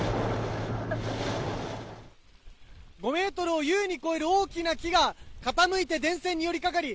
５ｍを優に超える大きな木が傾いて電線に寄りかかり